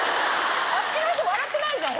あっちの人笑ってないじゃん！